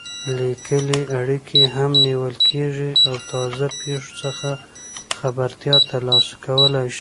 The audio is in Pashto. لیکلې اړیکې هم نیول کېږي او تازه پېښو څخه خبرتیا ترلاسه کولای شي.